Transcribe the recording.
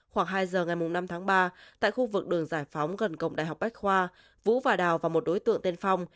khoảng hai giờ ngày năm tháng ba tại khu vực đường giải phóng gần cổng đại học bách khoa vũ và đào và một đối tượng tên phong